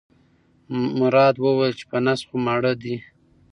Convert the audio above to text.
مراد وویل چې په نس خو ماړه دي.